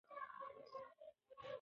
فضا د زاڼو په غږ مسته ده.